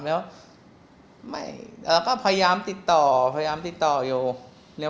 แล้วพยายามติดต่ออยู่